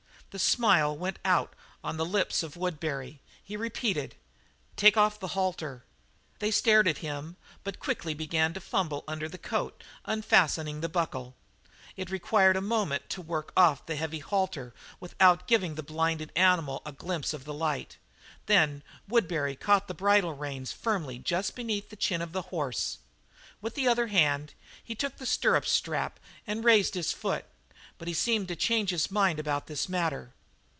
The smile went out on the lips of Woodbury. He repeated: "Take off the halter." They stared at him, but quickly began to fumble under the coat, unfastening the buckle. It required a moment to work off the heavy halter without giving the blinded animal a glimpse of the light; then Woodbury caught the bridle reins firmly just beneath the chin of the horse. With the other hand he took the stirrup strap and raised his foot, but he seemed to change his mind about this matter.